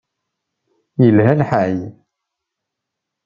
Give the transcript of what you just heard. Yelha lḥal.